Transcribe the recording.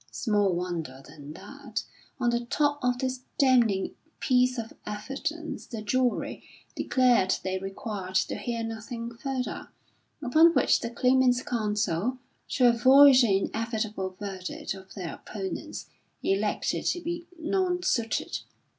Small wonder then that, on the top of this damning piece of evidence, the jury declared they required to hear nothing further, upon which the Claimant's counsel, to avoid the inevitable verdict for their opponents, elected to be nonsuited.